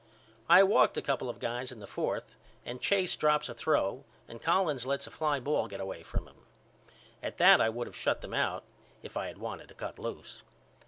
I walked a couple of guys in the fourth and Chase drops a throw and Collins lets a fly ball get away from him. At that I would of shut them out if I had wanted to cut loose.